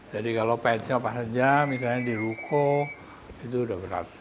jadi kalau pet shop saja misalnya di ruko itu udah berat